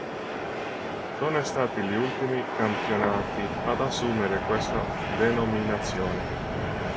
Sono stati gli ultimi campionati ad assumere questa denominazione.